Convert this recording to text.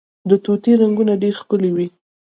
د طوطي رنګونه ډیر ښکلي وي